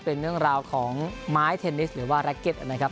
เป็นเรื่องราวของไม้เทนนิสหรือว่าแร็กเก็ตนะครับ